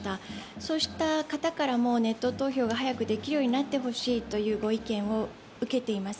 そうした方からもネット投票が早くできるようになって欲しいという意見を受けております。